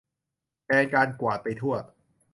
แทนการกวาดไปทั่ว